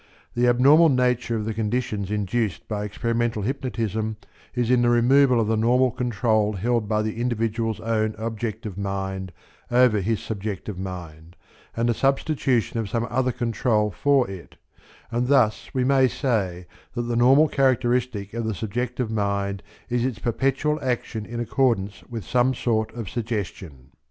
The abnormal nature of the conditions induced by experimental hypnotism is in the removal of the normal control held by the individual's own objective mind over his subjective mind and the substitution of some other control for it, and thus we may say that the normal characteristic of the subjective mind is its perpetual action in accordance with some sort of suggestion.